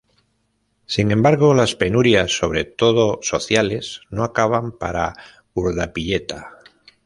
Sin embargo, las penurias, sobre todo sociales, no acaban para Urdapilleta.